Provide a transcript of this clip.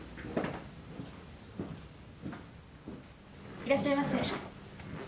いらっしゃいませ。